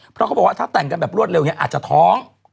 เพราะเขาบอกว่าถ้าแต่งกันแบบรวดเร็วเนี่ยอาจจะท้อง